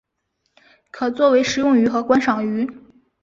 可作为食用鱼和观赏鱼。